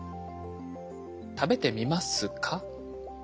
食べてみますか？